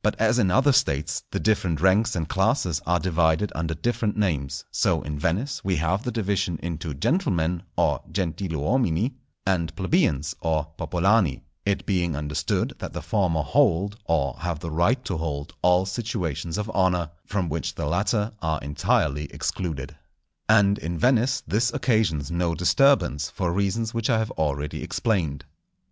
But as in other States the different ranks and classes are divided under different names, so in Venice we have the division into gentlemen (gentiluomini) and plebeians (popolani), it being understood that the former hold, or have the right to hold all situations of honour, from which the latter are entirely excluded. And in Venice this occasions no disturbance, for reasons which I have already explained.